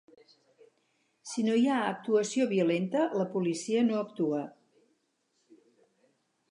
Si no hi ha actuació violenta, la policia no actua.